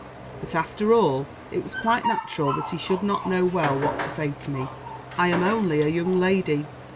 But, after all, it was quite natural that he should not know well what to say to me. I am only a young lady.